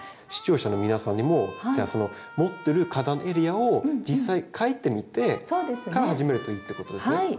視聴者の皆さんにもじゃあその持ってる花壇エリアを実際描いてみてから始めるといいってことですね。